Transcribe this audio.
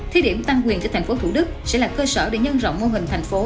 thí điểm tăng quyền cho tp thủ đức sẽ là cơ sở để nhân rộng mô hình thành phố